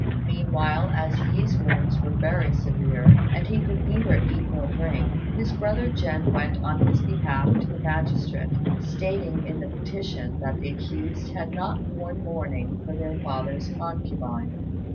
Meanwhile, as Yi's wounds were very severe, and he could neither eat nor drink, his brother Jen went on his behalf to the magistrate, stating in the petition that the accused had not worn mourning for their father's concubine.